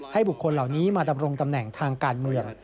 บุคคลเหล่านี้มาดำรงตำแหน่งทางการเมือง